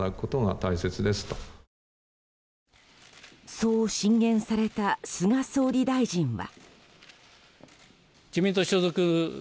そう進言された菅総理大臣は。